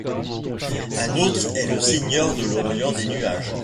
Un autre est le Seigneur de l'Orient des nuages.